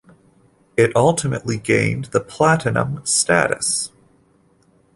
It ultimately gained the Platinum status.